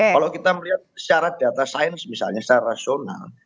kalau kita melihat secara data sains misalnya secara rasional